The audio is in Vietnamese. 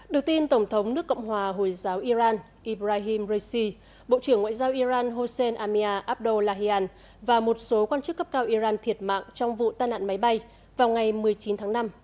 được tin tổng thống nước cộng hòa hồi giáo iran ibrahim raisi bộ trưởng ngoại giao iran hossein ammia abdor lahian và một số quan chức cấp cao iran thiệt mạng trong vụ tàn nạn máy bay vào ngày một mươi chín tháng năm